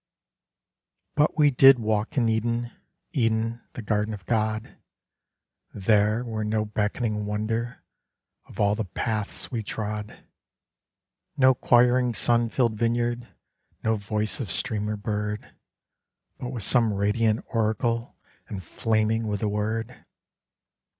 _But we did walk in Eden, Eden, the garden of God; There, where no beckoning wonder Of all the paths we trod, No choiring sun filled vineyard, No voice of stream or bird, But was some radiant oracle And flaming with the Word!